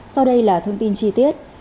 sau đây là thông tin chi tiết